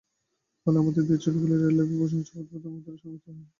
ফলে, আমাদের বিয়ের ছবিগুলো রিয়েল লাইফ প্রপস হিসেবে ব্যবহূত হয়েছিল মধুরেণ সমাপয়েৎ-এ।